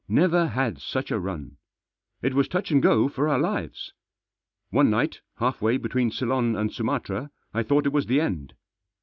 Never had such a run ! It was touch and go for our lives. One night, half way between Ceylon and Sumatra, I thought it was the end.